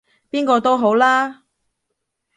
邊個都好啦